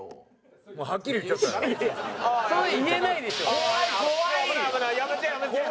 やめてやめて。